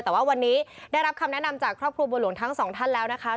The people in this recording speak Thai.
แต่ว่าวันนี้ได้รับคำแนะนำจากครอบครัวบัวหลวงทั้งสองท่านแล้วนะคะ